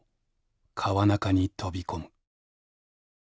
河中に飛び込む。